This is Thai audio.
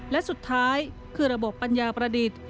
และสุดท้ายคือระบบปัญญาประดิษฐ์